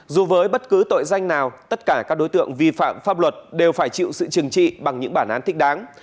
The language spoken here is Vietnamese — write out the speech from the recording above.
dù với bất cứ tội danh nào tất cả các đối tượng vi phạm pháp luật đều phải chịu sự trừng trị bằng những bản án thích đáng